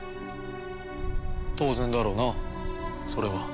当然だろうなそれは。